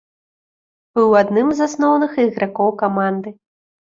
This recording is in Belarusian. Быў адным з асноўных ігракоў каманды.